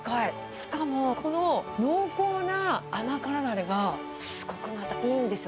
しかもこの濃厚な甘辛だれが、すごくまたいいんですよ。